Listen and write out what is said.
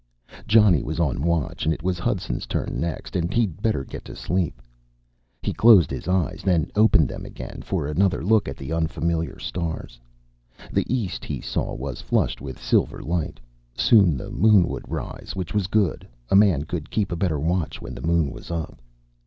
Johnny was on watch, and it was Hudson's turn next, and he'd better get to sleep. He closed his eyes, then opened them again for another look at the unfamiliar stars. The east, he saw, was flushed with silver light. Soon the Moon would rise, which was good. A man could keep a better watch when the Moon was up.